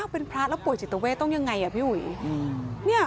เป็นพระแล้วป่วยจิตเวทต้องยังไงพี่อุ๋ย